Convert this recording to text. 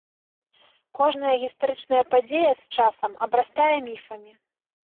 Кожная гістарычная падзея з часам абрастае міфамі.